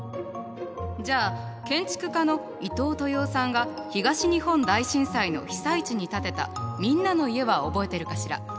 じゃあ建築家の伊東豊雄さんが東日本大震災の被災地に建てた「みんなの家」は覚えてるかしら？